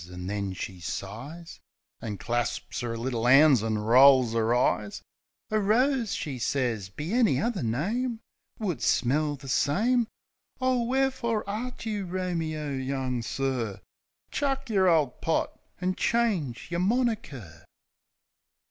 .. An' then she sighs, An' clasps 'er little 'ands, an' rolls 'er eyes "A rose," she sez, "be any other name Would smell the same. Oh, w'erefore art you Romeo, young sir? Chuck yer ole pot, an' change yer moniker !"